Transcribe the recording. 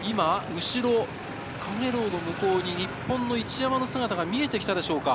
陽炎の向こうに日本の一山の姿が見えてきたでしょうか。